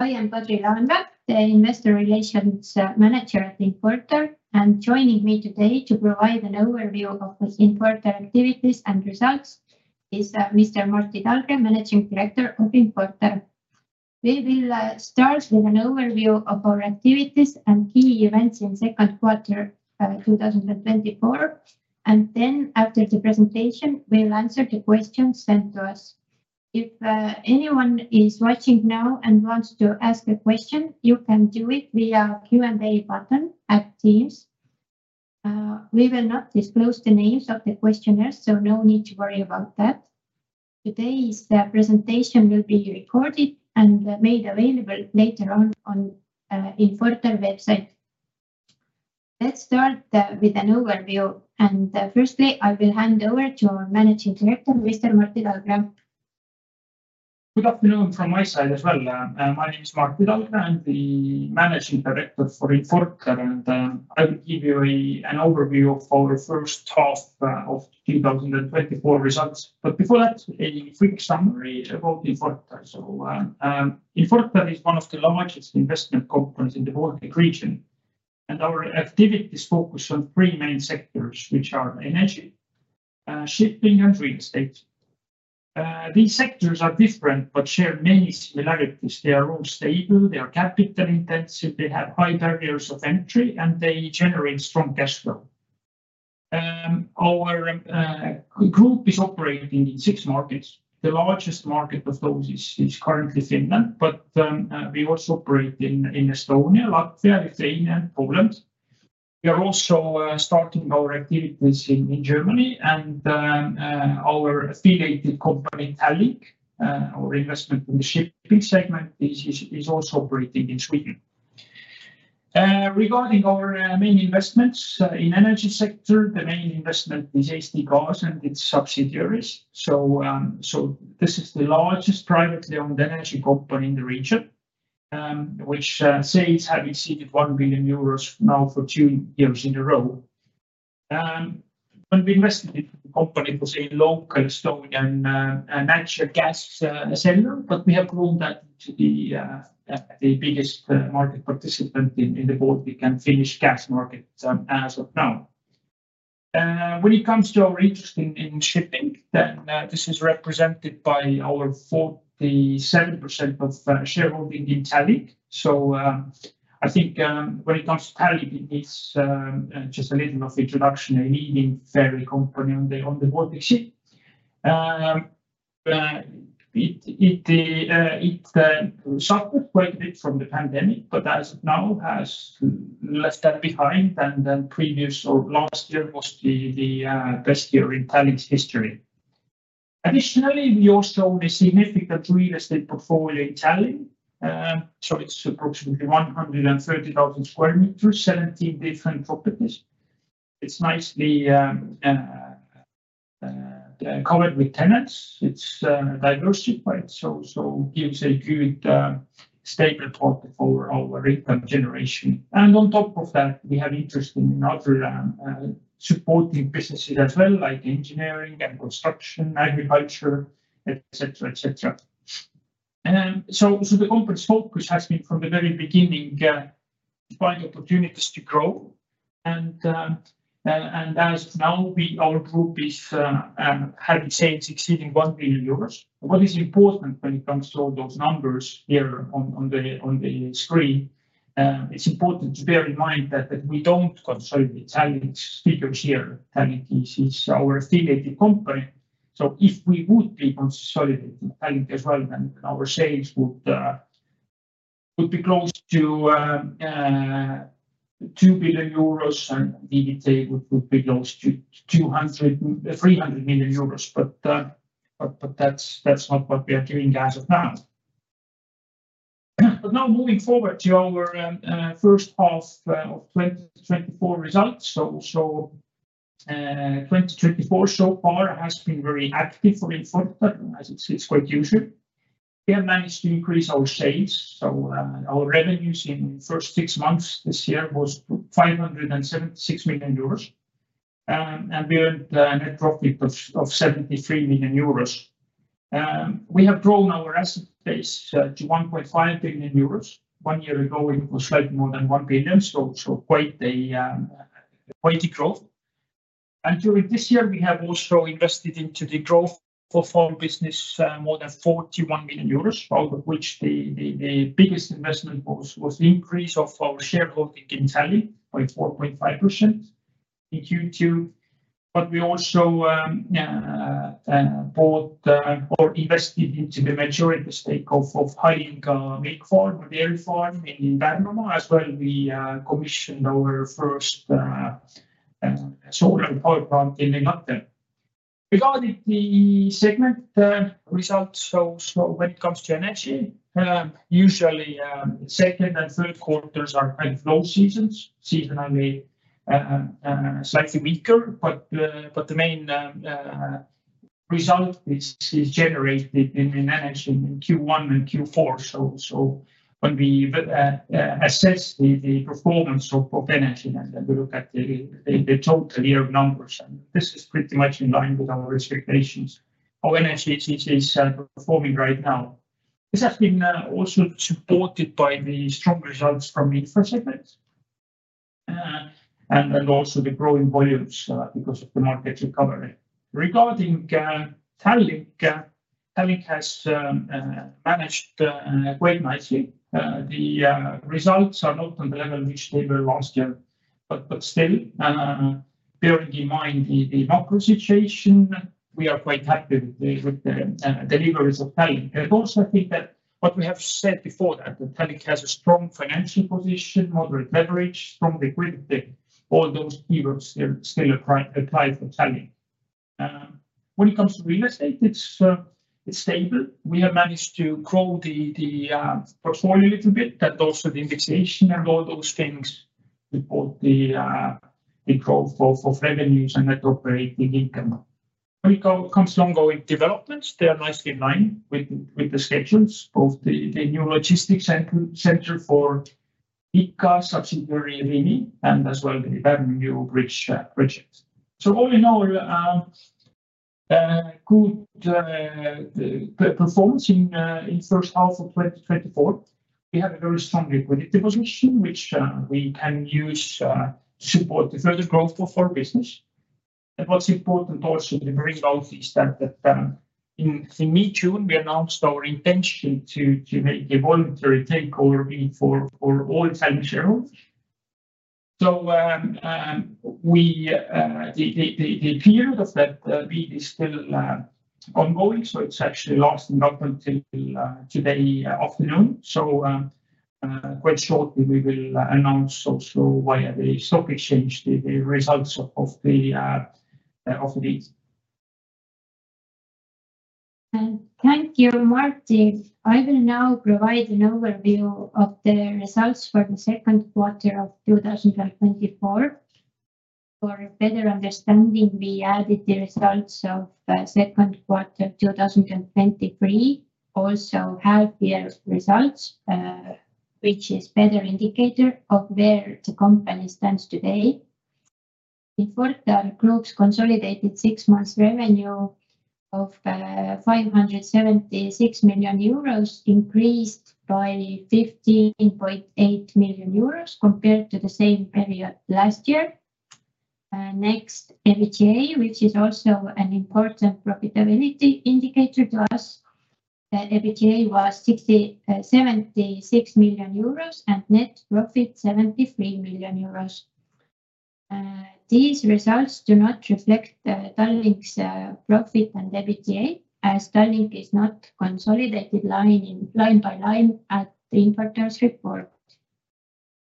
I am Kadri Laanvee, the Investor Relations Manager at Infortar, and joining me today to provide an overview of Infortar activities and results is Mr. Martti Talgre, Managing Director of Infortar. We will start with an overview of our activities and key events in the second quarter of 2024, and then, after the presentation, we'll answer the questions sent to us. If anyone is watching now and wants to ask a question, you can do it via the Q&A button at Teams. We will not disclose the names of the questioners, so no need to worry about that. Today's presentation will be recorded and made available later on on the Infortar website. Let's start with an overview, and firstly, I will hand over to our Managing Director, Mr. Martti Talgre. Good afternoon from my side as well. My name is Martti Talgre, and I'm the Managing Director for Infortar, and I will give you an overview of our first half of the 2024 results. But before that, a quick summary about Infortar. Infortar is one of the largest investment companies in the Baltic region, and our activities focus on three main sectors, which are energy, shipping, and real estate. These sectors are different but share many similarities. They are all stable. They are capital-intensive. They have high barriers of entry, and they generate strong cash flow. Our group is operating in six markets. The largest market of those is currently Finland, but we also operate in Estonia, Latvia, Lithuania, and Poland. We are also starting our activities in Germany, and our affiliated company, Tallink, our investment in the shipping segment, is also operating in Sweden. Regarding our main investments in the energy sector, the main investment is Eesti Gaas and its subsidiaries. So this is the largest privately owned energy company in the region, which has seen 1 billion euros now for two years in a row. When we invested in the company as a local Estonian natural gas seller, but we have grown that to be the biggest market participant in the Baltic and Finnish gas market as of now. When it comes to our interest in shipping, then this is represented by our 47% of shareholding in Tallink. So I think when it comes to Tallink, it's just a little introduction, a leading ferry company on the Baltic Sea. It suffered quite a bit from the pandemic, but as of now has left that behind, and then previous or last year was the best year in Tallink's history. Additionally, we also own a significant real estate portfolio in Tallink, so it's approximately 130,000 sq m, 17 different properties. It's nicely covered with tenants. It's diversified, so it gives a good stable path for our income generation. And on top of that, we have interest in other supporting businesses as well, like engineering and construction, agriculture, etc., etc. So the company's focus has been from the very beginning to find opportunities to grow. As of now, our group has exceeded 1 billion euros. What is important when it comes to all those numbers here on the screen, it's important to bear in mind that we don't consolidate Tallink's figures here. Tallink is our affiliated company. So if we would be consolidating Tallink as well, then our sales would be close to 2 billion euros, and EBITDA would be close to 300 million euros. But that's not what we are doing as of now. Now moving forward to our first half of 2024 results. 2024 so far has been very active for Infortar, as it's quite usual. We have managed to increase our sales. Our revenues in the first six months this year was 576 million euros, and we earned a net profit of 73 million euros. We have grown our asset base to 1.5 billion euros. One year ago, it was slightly more than 1 billion, so quite a growth. During this year, we have also invested into the growth of our business, more than 41 million euros, out of which the biggest investment was the increase of our shareholding in Tallink by 4.5% in Q2. We also bought or invested into the major interest stake of Halinga Farm, a dairy farm in Pärnu. As well, we commissioned our first solar power plant in the Niidu. Regarding the segment results, so when it comes to energy, usually second and third quarters are kind of low seasons, seasonally slightly weaker, but the main result is generated in energy in Q1 and Q4. So when we assess the performance of energy, then we look at the total year numbers, and this is pretty much in line with our expectations of energy performance right now. This has been also supported by the strong results from the infra segment and also the growing volumes because of the market recovery. Regarding Tallink, Tallink has managed quite nicely. The results are not on the level which they were last year, but still, bearing in mind the macro situation, we are quite happy with the deliveries of Tallink. And also, I think that what we have said before, that Tallink has a strong financial position, moderate leverage, strong liquidity. All those keywords still apply for Tallink. When it comes to real estate, it's stable. We have managed to grow the portfolio a little bit, but also the indexation and all those things support the growth of revenues and net operating income. When it comes to ongoing developments, they are nicely in line with the schedules, both the new logistics center for ICA, subsidiary Rimi, and as well the Pärnu Bridge project. So all in all, good performance in the first half of 2024. We have a very strong liquidity position, which we can use to support the further growth of our business. And what's important also to bring out is that in mid-June, we announced our intention to make a voluntary takeover for all Tallink shareholders. So the period of that bid is still ongoing, so it's actually lasting up until today afternoon. So quite shortly, we will announce also via the stock exchange the results of the bid. Thank you, Martti. I will now provide an overview of the results for the second quarter of 2024. For better understanding, we added the results of the second quarter of 2023, also healthier results, which is a better indicator of where the company stands today. Infortar Group's consolidated six-month revenue of 576 million euros increased by 15.8 million euros compared to the same period last year. Next, EBITDA, which is also an important profitability indicator to us, EBITDA was 76 million euros and net profit 73 million euros. These results do not reflect Tallink's profit and EBITDA, as Tallink is not consolidated line by line at the Infortar's report.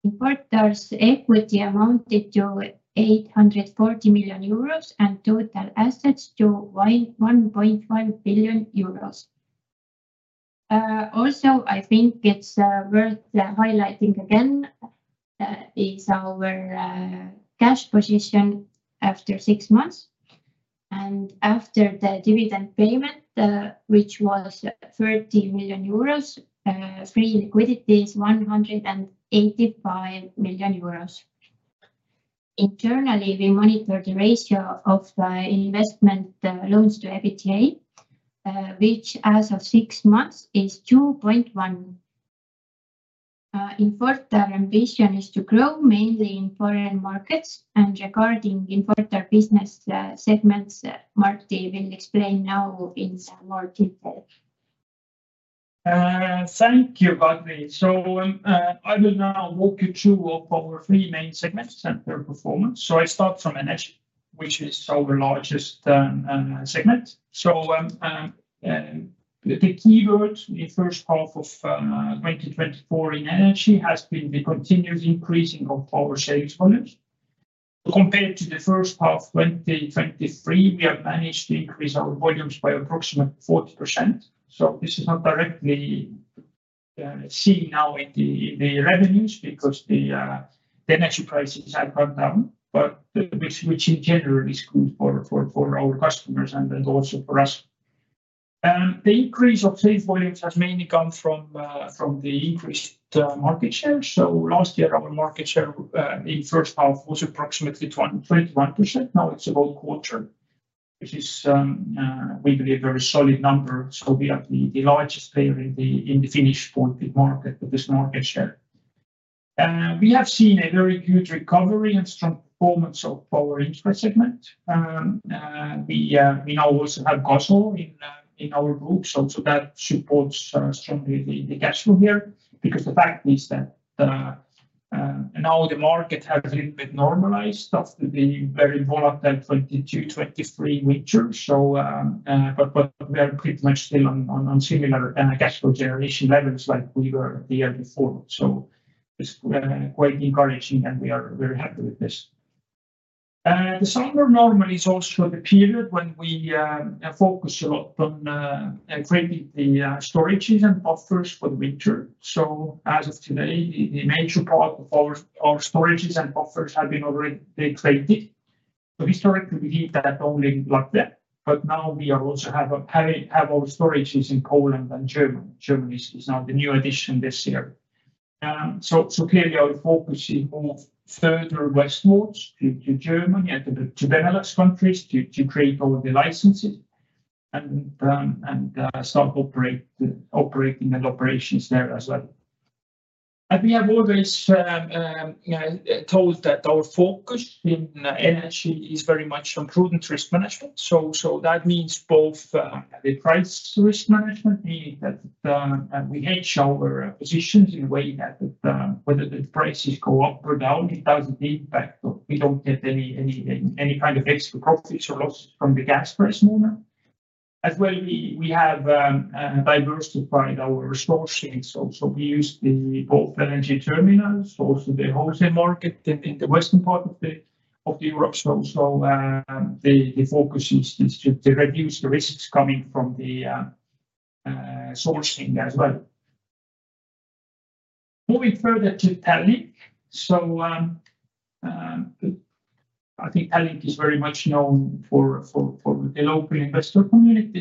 Infortar's equity amounted to 840 million euros and total assets to 1.1 billion euros. Also, I think it's worth highlighting again is our cash position after six months. After the dividend payment, which was 30 million euros, free liquidity is 185 million euros. Internally, we monitor the ratio of investment loans to EBITDA, which as of six months is 2.1. Infortar's ambition is to grow mainly in foreign markets, and regarding Infortar business segments, Martti will explain now in more detail. Thank you, Kadri. I will now walk you through our three main segments and their performance. I start from energy, which is our largest segment. The keyword in the first half of 2024 in energy has been the continuous increasing of our sales volumes. Compared to the first half of 2023, we have managed to increase our volumes by approximately 40%. This is not directly seen now in the revenues because the energy prices have gone down, but which in general is good for our customers and also for us. The increase of sales volumes has mainly come from the increased market share. Last year, our market share in the first half was approximately 21%. Now it's about a quarter, which is, we believe, a very solid number. We are the largest player in the Finnish Baltic market with this market share. We have seen a very good recovery and strong performance of our infra segment. We now also have Gaso in our group, so that supports strongly the cash flow here because the fact is that now the market has a little bit normalized after the very volatile 2022-2023 winter. But we are pretty much still on similar cash flow generation levels like we were the year before. So it's quite encouraging, and we are very happy with this. The summer normal is also the period when we focus a lot on creating the storages and buffers for the winter. So as of today, the major part of our storages and buffers have been already created. So historically, we did that only in Latvia, but now we also have our storages in Poland and Germany. Germany is now the new addition this year. So clearly, our focus is moved further westwards to Germany and to the Netherlands countries to create all the licenses and start operating and operations there as well. And we have always told that our focus in energy is very much on prudent risk management. So that means both the price risk management, meaning that we hedge our positions in a way that whether the prices go up or down, it doesn't impact or we don't get any kind of extra profits or losses from the gas price movement. As well, we have diversified our sourcing. So we use both energy terminals, also the wholesale market in the western part of Europe. So the focus is to reduce the risks coming from the sourcing as well. Moving further to Tallink. So I think Tallink is very much known for the local investor community.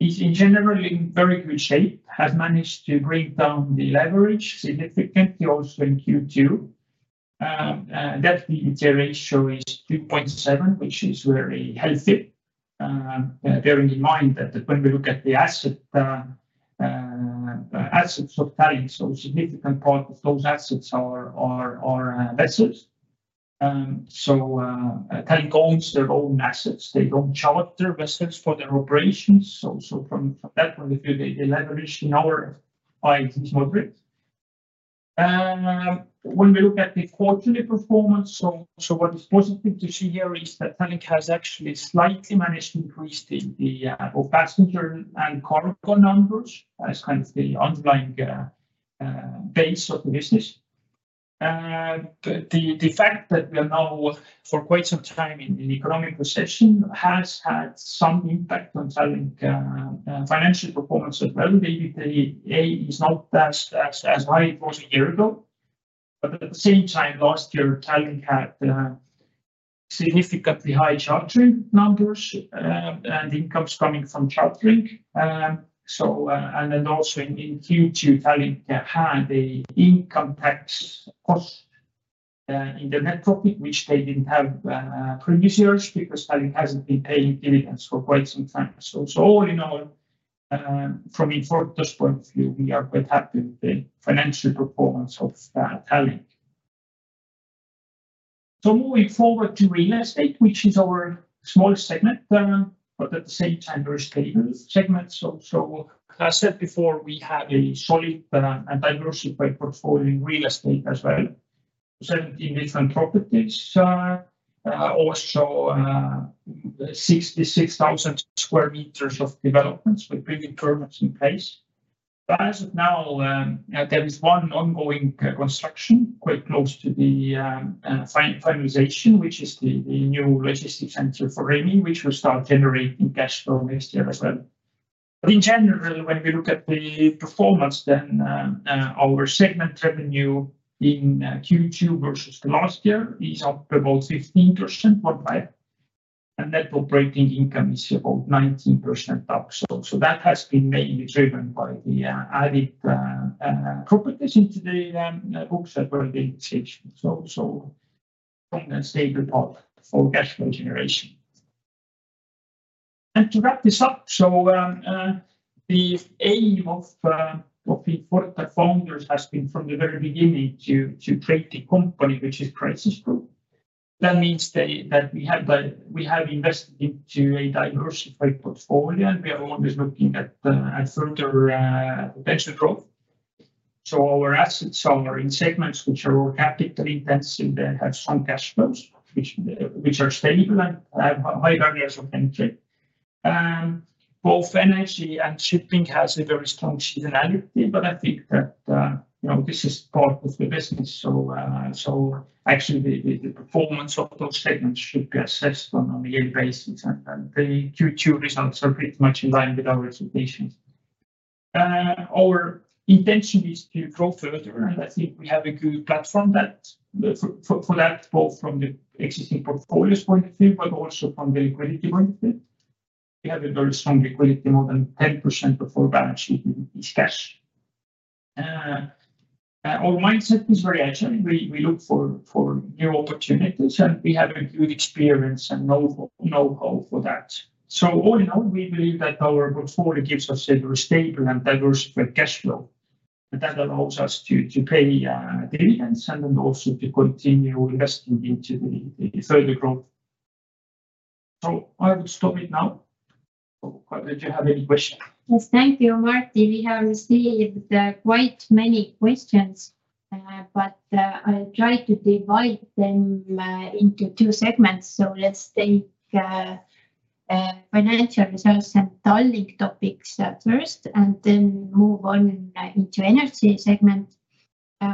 It's in general in very good shape, has managed to bring down the leverage significantly also in Q2. That EBITDA ratio is 2.7, which is very healthy, bearing in mind that when we look at the assets of Tallink, a significant part of those assets are vessels. Tallink owns their own assets. They don't charge their vessels for their operations. From that point of view, the leverage in our eyes is moderate. When we look at the quarterly performance, what is positive to see here is that Tallink has actually slightly managed to increase the passenger and cargo numbers as kind of the underlying base of the business. The fact that we are now for quite some time in economic recession has had some impact on Tallink's financial performance as well. The EBITDA is not as high as it was a year ago. But at the same time, last year, Tallink had significantly high chartering numbers and incomes coming from chartering. Then also in Q2, Tallink had an income tax cost in the net profit, which they didn't have previous years because Tallink hasn't been paying dividends for quite some time. All in all, from Infortar's point of view, we are quite happy with the financial performance of Tallink. Moving forward to real estate, which is our small segment, but at the same time, there are stable segments. As I said before, we have a solid and diversified portfolio in real estate as well, 17 different properties, also 66,000 square meters of developments with previous permits in place. As of now, there is one ongoing construction quite close to the finalization, which is the new logistics center for Rimi, which will start generating cash flow next year as well. In general, when we look at the performance, then our segment revenue in Q2 versus last year is up about 15.5%, and net operating income is about 19% up. So that has been mainly driven by the added properties into the books as well as the indexation. So a stable path for cash flow generation. To wrap this up, the aim of Infortar founders has been from the very beginning to create a company which is crisis-proof. That means that we have invested into a diversified portfolio, and we are always looking at further potential growth. So our assets are in segments which are more capital-intensive that have some cash flows, which are stable and have high barriers of entry. Both energy and shipping has a very strong seasonality, but I think that this is part of the business. So actually, the performance of those segments should be assessed on a yearly basis, and the Q2 results are pretty much in line with our expectations. Our intention is to grow further, and I think we have a good platform for that, both from the existing portfolio's point of view, but also from the liquidity point of view. We have a very strong liquidity, more than 10% of our balance sheet is cash. Our mindset is very agile. We look for new opportunities, and we have a good experience and know-how for that. So all in all, we believe that our portfolio gives us a very stable and diversified cash flow, and that allows us to pay dividends and also to continue investing into the further growth. So I would stop it now. Kadri, do you have any questions? Yes, thank you, Martti. We have received quite many questions, but I'll try to divide them into two segments. So let's take financial results and Tallink topics first and then move on into the energy segment.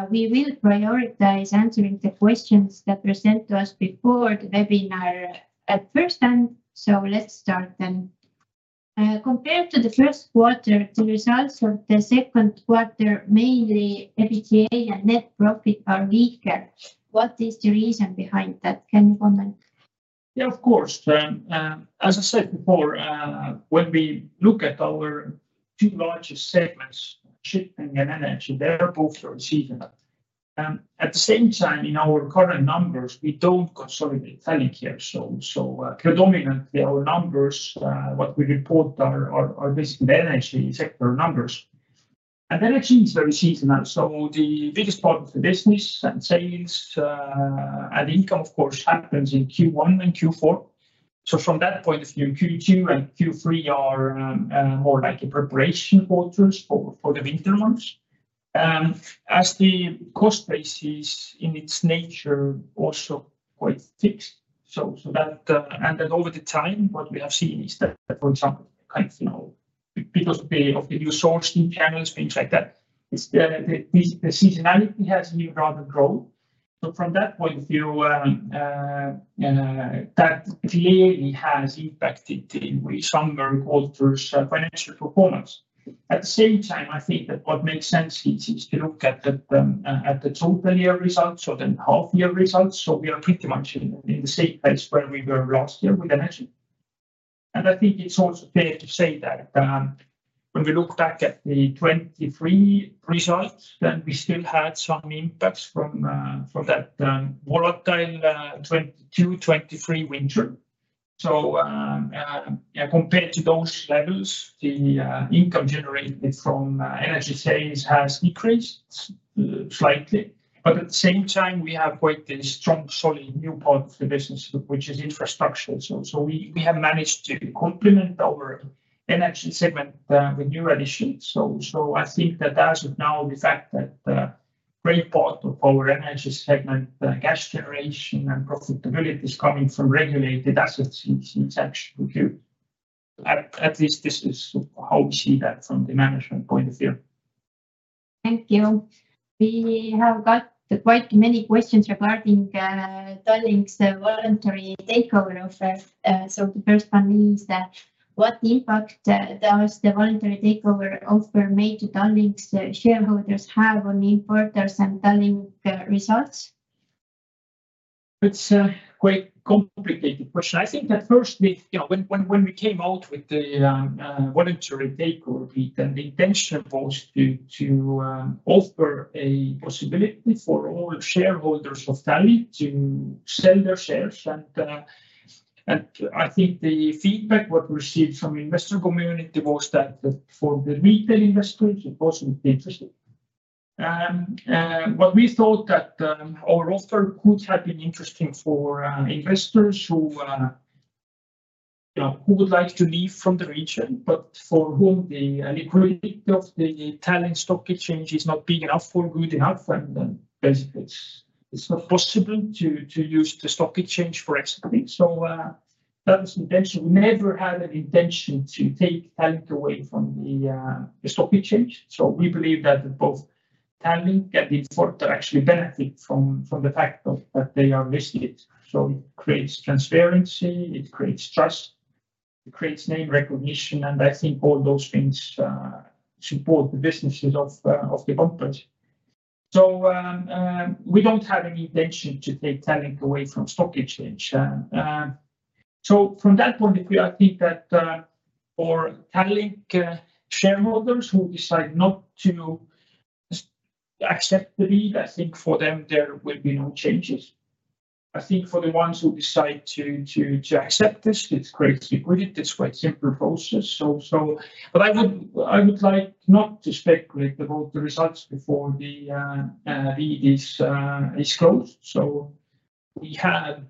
We will prioritize answering the questions that were sent to us before the webinar at first hand. So let's start then. Compared to the first quarter, the results of the second quarter, mainly EBITDA and net profit, are weaker. What is the reason behind that? Can you comment? Yeah, of course. As I said before, when we look at our two largest segments, shipping and energy, they are both very seasonal. At the same time, in our current numbers, we don't consolidate Tallink here. So predominantly, our numbers, what we report, are basically the energy sector numbers. And energy is very seasonal. So the biggest part of the business and sales and income, of course, happens in Q1 and Q4. So from that point of view, Q2 and Q3 are more like preparation quarters for the winter months, as the cost base is, in its nature, also quite fixed. And then over the time, what we have seen is that, for example, because of the new sourcing channels, things like that, the seasonality has been rather grown. So from that point of view, that clearly has impacted the summer quarter's financial performance. At the same time, I think that what makes sense is to look at the total year results, so then half-year results. So we are pretty much in the same place where we were last year with energy. And I think it's also fair to say that when we look back at the 2023 results, then we still had some impacts from that volatile 2022-2023 winter. So compared to those levels, the income generated from energy sales has decreased slightly. But at the same time, we have quite a strong, solid new part of the business, which is infrastructure. So we have managed to complement our energy segment with new additions. So I think that as of now, the fact that a great part of our energy segment, cash generation and profitability is coming from regulated assets, is actually good. At least this is how we see that from the management point of view. Thank you. We have got quite many questions regarding Tallink's voluntary takeover offer. So the first one is, what impact does the voluntary takeover offer made to Tallink's shareholders have on Infortar's and Tallink results? It's a quite complicated question. I think that first, when we came out with the voluntary takeover, the intention was to offer a possibility for all shareholders of Tallink to sell their shares. I think the feedback what we received from the investor community was that for the retail investors, it wasn't interesting. We thought that our offer could have been interesting for investors who would like to leave from the region, but for whom the liquidity of the Tallinn Stock Exchange is not big enough or good enough, and basically, it's not possible to use the stock exchange for exiting. That was the intention. We never had an intention to take Tallink away from the stock exchange. We believe that both Tallink and Infortar actually benefit from the fact that they are listed. So it creates transparency, it creates trust, it creates name recognition, and I think all those things support the businesses of the companies. So we don't have any intention to take Tallink away from stock exchange. So from that point of view, I think that for Tallink shareholders who decide not to accept the deal, I think for them, there will be no changes. I think for the ones who decide to accept this, it's greatly good. It's quite a simple process. But I would like not to speculate about the results before the deal is closed. So we have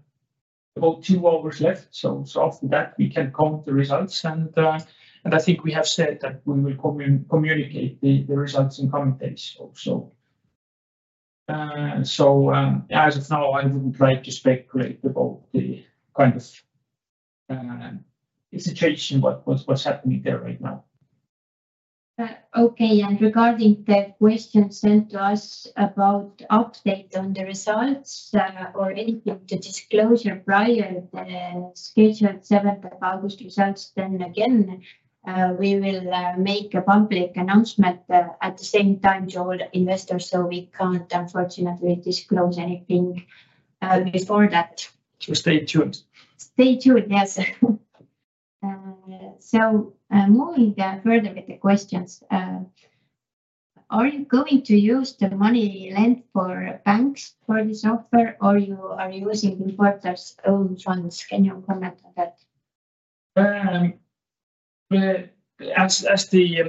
about two hours left. So after that, we can count the results. And I think we have said that we will communicate the results in coming days. So as of now, I wouldn't like to speculate about the kind of situation, what's happening there right now. Okay. Regarding the questions sent to us about updates on the results or anything to disclose prior to the scheduled 7th of August results, then again, we will make a public announcement at the same time to all investors. We can't, unfortunately, disclose anything before that. Stay tuned. Stay tuned, yes. So moving further with the questions, are you going to use the money lent for banks for this offer, or are you using Infortar's own funds? Can you comment on that? As the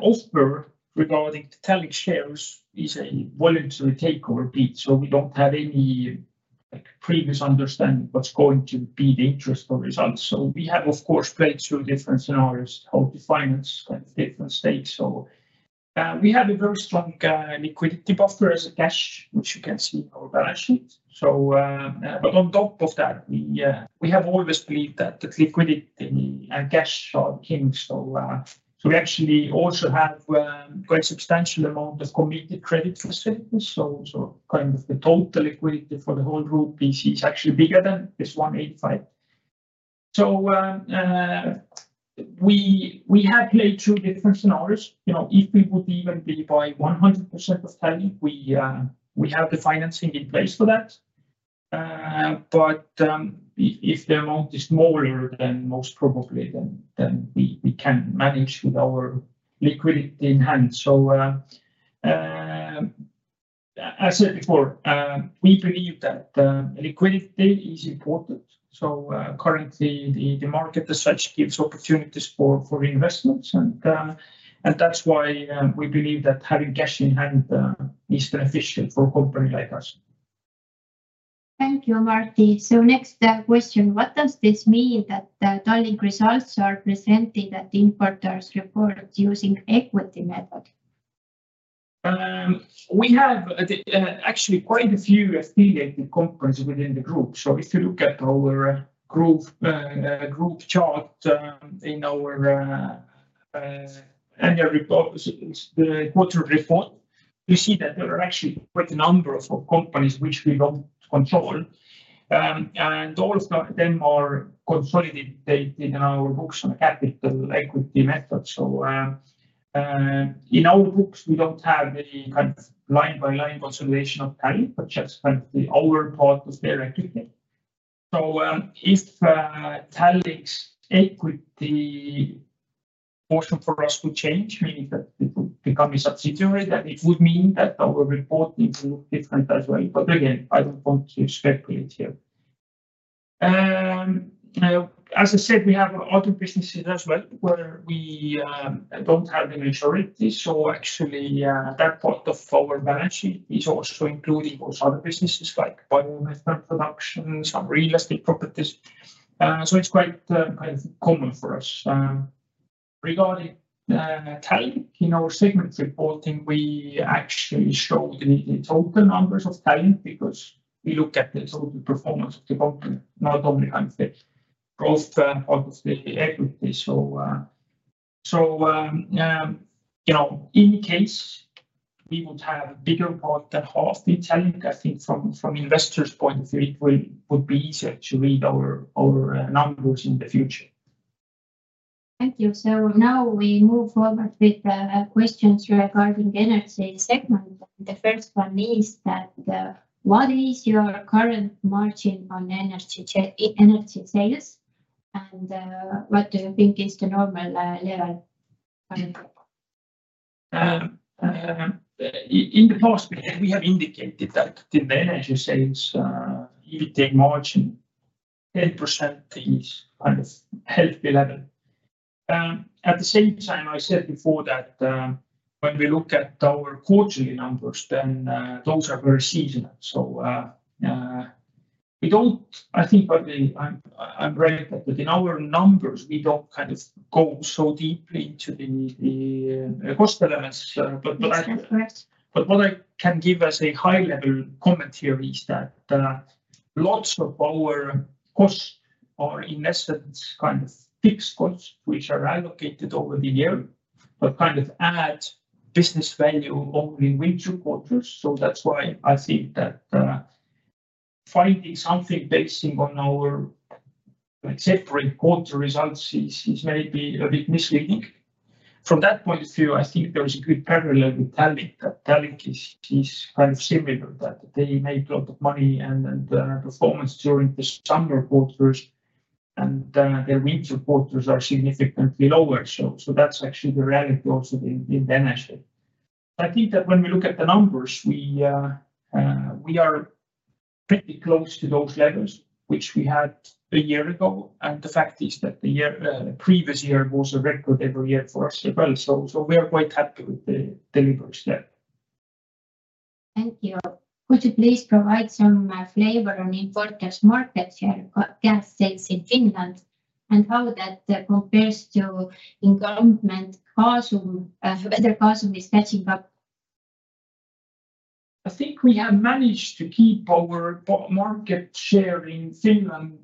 offer regarding the Tallink shares is a voluntary takeover offer, so we don't have any previous understanding of what's going to be the interest of the results. So we have, of course, played through different scenarios, how to finance different states. So we have a very strong liquidity buffer as cash, which you can see in our balance sheet. But on top of that, we have always believed that liquidity and cash are king. So we actually also have quite a substantial amount of committed credit facilities. So kind of the total liquidity for the whole group is actually bigger than this 185. So we have played through different scenarios. If we would even be buying 100% of Tallink, we have the financing in place for that. But if the amount is smaller, then most probably, then we can manage with our liquidity in hand. So as I said before, we believe that liquidity is important. So currently, the market as such gives opportunities for investments. And that's why we believe that having cash in hand is beneficial for a company like us. Thank you, Martti. So next question, what does this mean that Tallink results are presented at Infortar's report using equity method? We have actually quite a few affiliated companies within the group. So if you look at our group chart in our annual quarter report, you see that there are actually quite a number of companies which we don't control. And all of them are consolidated in our books on the equity method. So in our books, we don't have any kind of line-by-line consolidation of Tallink, but just kind of our part of their equity. So if Tallink's equity portion for us would change, meaning that it would become a subsidiary, then it would mean that our reporting would look different as well. But again, I don't want to speculate here. As I said, we have other businesses as well where we don't have the majority. So actually, that part of our balance sheet is also including those other businesses like biomethane production, some real estate properties. It's quite common for us. Regarding Tallink, in our segment reporting, we actually show the total numbers of Tallink because we look at the total performance of the company, not only kind of the growth part of the equity. In case we would have a bigger part than half in Tallink, I think from investors' point of view, it would be easier to read our numbers in the future. Thank you. Now we move forward with questions regarding energy segment. The first one is that what is your current margin on energy sales? And what do you think is the normal level? In the past, we have indicated that in the energy sales, EBITDA margin, 10% is kind of healthy level. At the same time, I said before that when we look at our quarterly numbers, then those are very seasonal. So I think I'm right that in our numbers, we don't kind of go so deeply into the cost elements. But what I can give as a high-level comment here is that lots of our costs are in essence kind of fixed costs, which are allocated over the year, but kind of add business value only winter quarters. So that's why I think that finding something based on our separate quarter results is maybe a bit misleading. From that point of view, I think there is a good parallel with Tallink. Tallink is kind of similar that they make a lot of money and performance during the summer quarters, and their winter quarters are significantly lower. So that's actually the reality also in the energy. I think that when we look at the numbers, we are pretty close to those levels which we had a year ago. The fact is that the previous year was a record every year for us as well. So we are quite happy with the delivery there. Thank you. Could you please provide some flavor on Infortar's market share gas sales in Finland and how that compares to incumbent Gasum whether Gasum is catching up? I think we have managed to keep our market share in Finland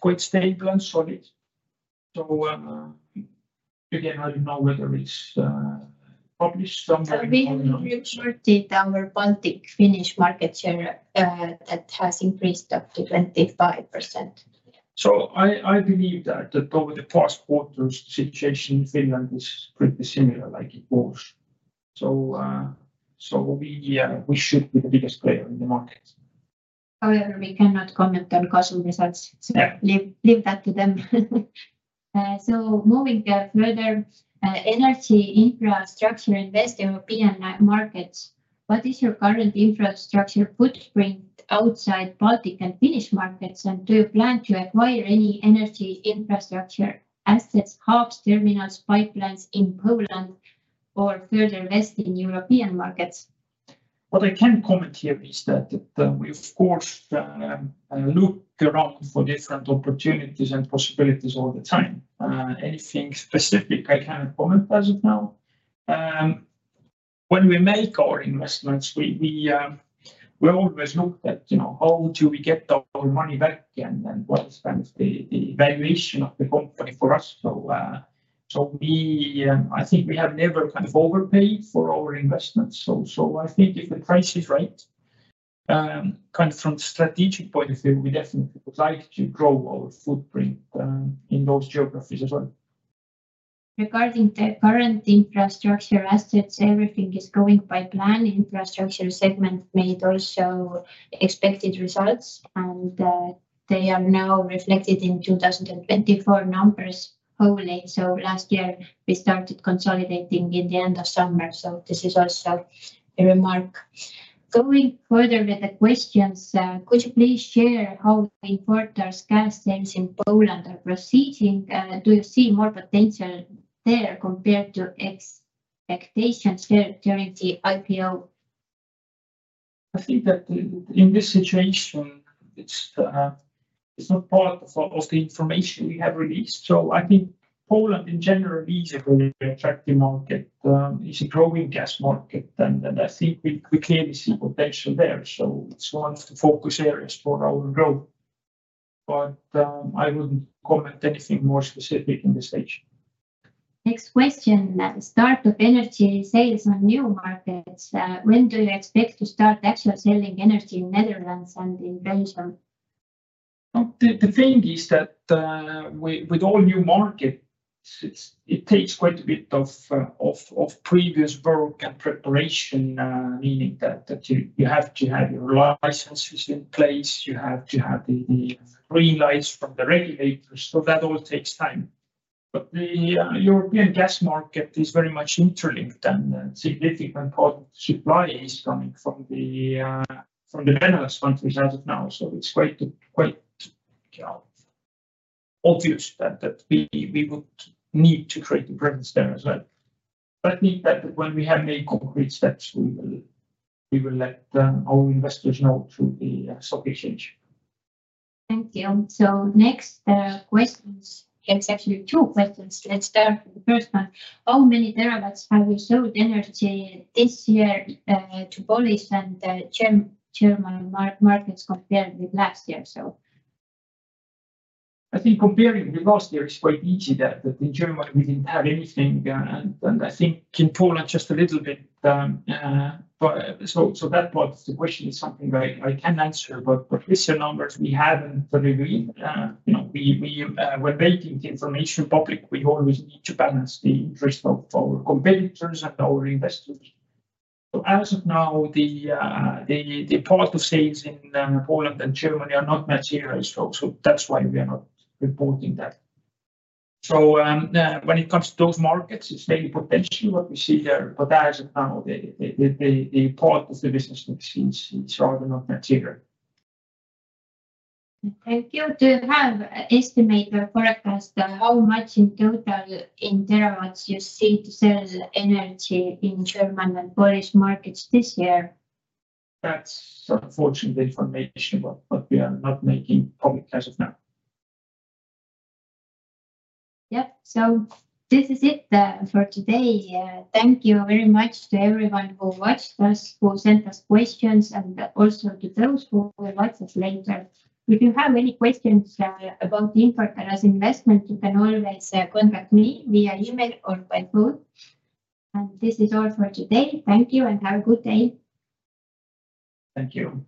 quite stable and solid. So again, I don't know whether it's published somewhere. We reported our Baltic-Finnish market share that has increased up to 25%. I believe that over the past quarters, the situation in Finland is pretty similar like it was. So we should be the biggest player in the market. However, we cannot comment on Gasum results. So leave that to them. So moving further, energy infrastructure in West European markets, what is your current infrastructure footprint outside Baltic and Finnish markets? And do you plan to acquire any energy infrastructure assets, hubs, terminals, pipelines in Poland, or further west in European markets? What I can comment here is that we, of course, look around for different opportunities and possibilities all the time. Anything specific I cannot comment as of now. When we make our investments, we always look at how do we get our money back and what is kind of the valuation of the company for us. So I think we have never kind of overpaid for our investments. So I think if the price is right, kind of from the strategic point of view, we definitely would like to grow our footprint in those geographies as well. Regarding the current infrastructure assets, everything is going by plan. Infrastructure segment made also expected results, and they are now reflected in 2024 numbers wholly. So last year, we started consolidating in the end of summer. So this is also a remark. Going further with the questions, could you please share how Infortar's gas sales in Poland are proceeding? Do you see more potential there compared to expectations during the IPO? I think that in this situation, it's not part of the information we have released. So I think Poland in general is a very attractive market. It's a growing gas market, and I think we clearly see potential there. So it's one of the focus areas for our growth. But I wouldn't comment anything more specific in this stage. Next question, the start of energy sales on new markets. When do you expect to start actual selling energy in Netherlands and in Belgium? The thing is that with all new markets, it takes quite a bit of previous work and preparation, meaning that you have to have your licenses in place. You have to have the green lights from the regulators. So that all takes time. But the European gas market is very much interlinked, and significant part of the supply is coming from the Netherlands countries as of now. So it's quite obvious that we would need to create a presence there as well. But I think that when we have made concrete steps, we will let our investors know through the stock exchange. Thank you. So next questions, actually two questions. Let's start with the first one. How many terawatts have you sold energy this year to Polish and German markets compared with last year? I think comparing with last year is quite easy that in Germany, we didn't have anything. And I think in Poland, just a little bit. So that part of the question is something I can answer. But with the numbers, we haven't really. When making the information public, we always need to balance the interest of our competitors and our investors. So as of now, the part of sales in Poland and Germany are not material. So that's why we are not reporting that. So when it comes to those markets, it's very potential what we see there. But as of now, the part of the business is rather not material. Thank you. Do you have an estimate or forecast how much in total in terawatts you see to sell energy in German and Polish markets this year? That's unfortunate information, but we are not making public as of now. Yep. This is it for today. Thank you very much to everyone who watched us, who sent us questions, and also to those who will watch us later. If you have any questions about Infortar as an investment, you can always contact me via email or by phone. This is all for today. Thank you and have a good day. Thank you.